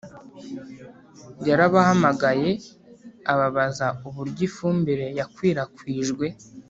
yarabahamagaye ababaza uburyo ifumbire yakwirakwijwe